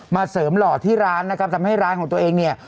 เสริมหล่อที่ร้านนะครับทำให้ร้านของตัวเองเนี่ย